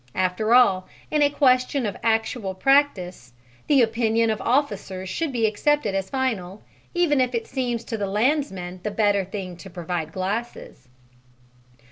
After all, in a question of actual practice, the opinion of officers should be accepted as final, even if it seems to the landsman the better thing to provide glasses.